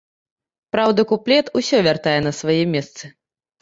Праўда, куплет усё вяртае на свае месцы.